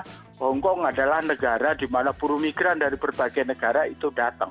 karena hong kong adalah negara di mana buru migran dari berbagai negara itu datang